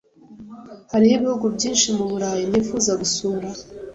Hariho ibihugu byinshi muburayi nifuza gusura